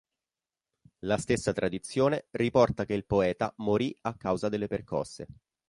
La stessa tradizione riporta che il poeta morì a causa delle percosse.